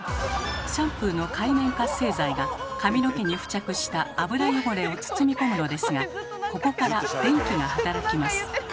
シャンプーの界面活性剤が髪の毛に付着した油汚れを包み込むのですがここから電気が働きます。